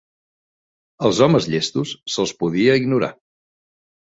Als homes llestos se'ls podia ignorar.